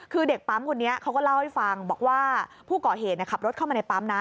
คือเด็กปั๊มคนนี้เขาก็เล่าให้ฟังบอกว่าผู้ก่อเหตุขับรถเข้ามาในปั๊มนะ